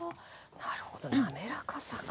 なるほど滑らかさか。